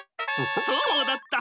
そうだった。